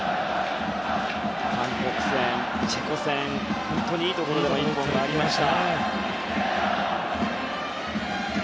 韓国戦、チェコ戦と本当にいいところで打ちました。